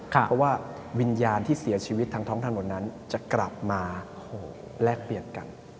เพราะว่าวิญญาณที่เสียชีวิตทางท้องถนนนั้นจะกลับมาแลกเปลี่ยนกัน